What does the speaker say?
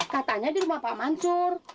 katanya di rumah pak mansur